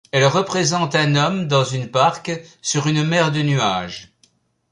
Elle représente un homme dans une barque sur une mer de nuages.